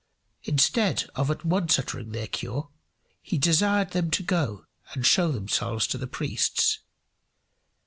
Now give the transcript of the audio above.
Instead of at once uttering their cure, he desired them to go and show themselves to the priests.